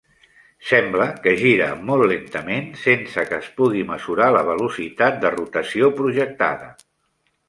Sembla que gira molt lentament sense que es pugui mesurar la velocitat de rotació projectada.